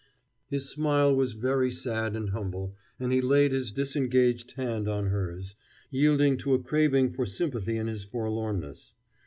His smile was very sad and humble, and he laid his disengaged hand on hers, yielding to a craving for sympathy in his forlornness.